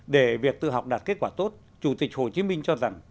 để việc tự học đạt kết quả tốt chủ tịch hồ chí minh cho rằng